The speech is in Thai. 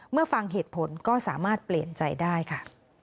ฟังเหตุผลก็สามารถเปลี่ยนใจได้ค่ะ